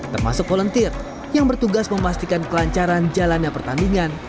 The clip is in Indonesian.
termasuk volunteer yang bertugas memastikan kelancaran jalannya pertandingan